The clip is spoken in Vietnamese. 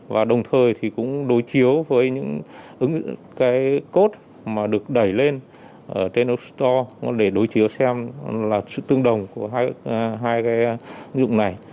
và đồng thời thì cũng đối chiếu với những cái cốt mà được đẩy lên trên op store để đối chiếu xem là sự tương đồng của hai cái ứng dụng này